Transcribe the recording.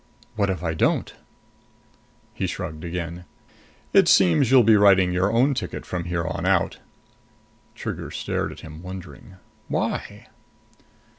"What if I don't?" He shrugged again. "It seems you'll be writing your own ticket from here on out." Trigger stared at him, wondering. "Why?"